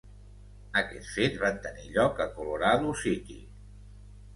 Aquests fets van tenir lloc a Colorado City.